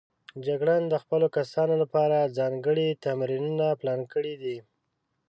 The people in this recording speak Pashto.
جګړن د خپلو کسانو لپاره ځانګړي تمرینونه پلان کړي دي.